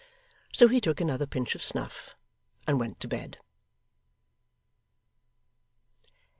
So he took another pinch of snuff, and went to bed.